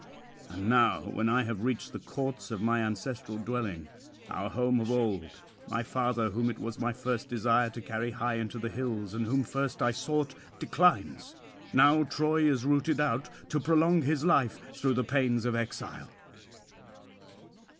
'And now, when I have reached the courts of my ancestral dwelling, our home of old, my father, whom it was my first desire to carry high into the hills, and whom first I sought, declines, now Troy is rooted out, to prolong his life through the pains of exile.